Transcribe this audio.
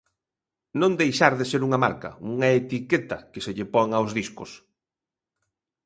Non deixar de ser unha marca, unha etiqueta que se lle pon aos discos.